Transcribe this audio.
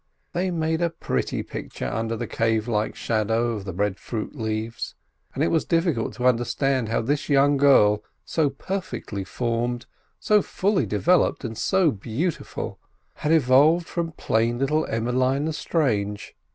They made a pretty picture under the cave like shadow of the breadfruit leaves; and it was difficult to understand how this young girl, so perfectly formed, so fully developed, and so beautiful, had evolved from plain little Emmeline Lestrange.